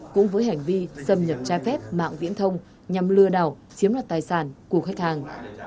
cũng với hành vi xâm nhập trai phép mạng viễn thông nhằm lừa đào chiếm lật tài sản của khách hàng